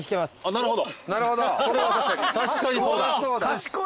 なるほど。